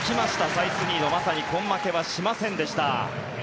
サイスニードまさに根負けはしませんでした。